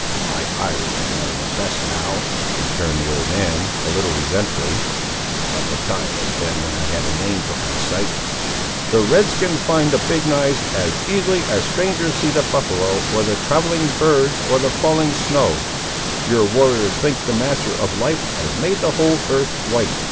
"My eyes are none of the best now," returned the old man a little resentfully, "but the time has been when I had a name for my sight!" "The Red skins find the Big knives as easily as the strangers see the buffaloe, or the travelling birds, or the falling snow. Your warriors think the Master of Life has made the whole earth white.